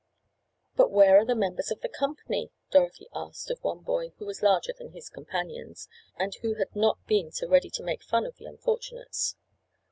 "But where are the members of the company?" Dorothy asked of one boy who was larger than his companions, and who had not been so ready to make fun of the unfortunates.